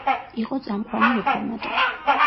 იყო წამყვანი რეფორმატორი.